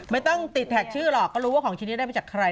ไม่ต้องติดแท็กชื่อหรอกก็รู้ว่าของชิ้นนี้ได้มาจากใคร